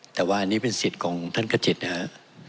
แต่ว่าอันนี้เป็นสิทธิ์ของท่านกระจิตนะครับ